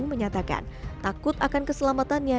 menyatakan takut akan keselamatannya